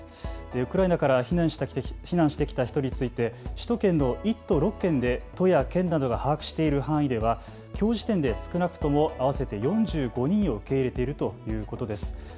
ウクライナから避難してきた人について首都圏の１都６県で都や県などが把握している範囲ではきょう時点で少なくとも合わせて４５人を受け入れているということです。